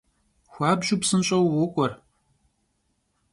Xuabju psınş'eu vok'uer.